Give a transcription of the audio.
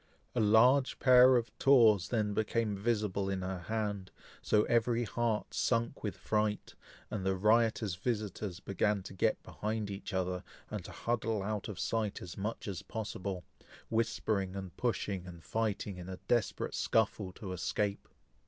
A large pair of tawse then became visible in her hand, so every heart sunk with fright, and the riotous visitors began to get behind each other, and to huddle out of sight as much as possible, whispering and pushing, and fighting, in a desperate scuffle to escape.